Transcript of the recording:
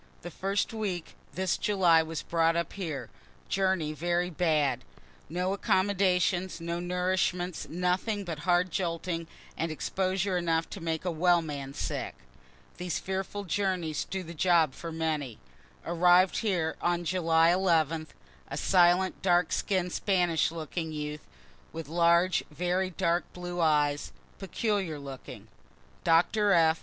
The first week this July was brought up here journey very bad, no accommodations, no nourishment, nothing but hard jolting, and exposure enough to make a well man sick; (these fearful journeys do the job for many) arrived here July 11th a silent dark skinn'd Spanish looking youth, with large very dark blue eyes, peculiar looking. Doctor F.